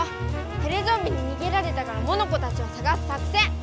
テレゾンビににげられたからモノコたちをさがす作戦！